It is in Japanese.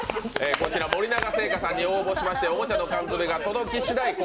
こちら森永製菓さんに応募しましておもちゃのカンヅメが届きしだい昴